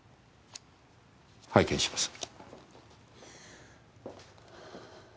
拝見します。